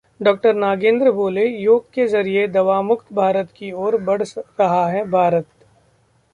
डॉ. नागेंद्र बोले- योग के जरिए दवामुक्त भारत की ओर बढ़ रहा है भारत